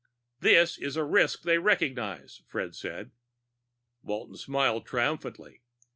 "This is a risk they recognize," Fred said. Walton smiled triumphantly.